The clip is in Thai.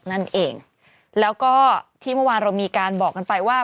นั่นเองแล้วก็ที่เมื่อวานเรามีการบอกกันไปว่า